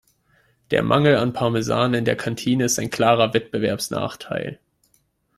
Der Mangel an Parmesan in der Kantine ist ein klarer Wettbewerbsnachteil.